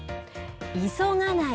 急がない！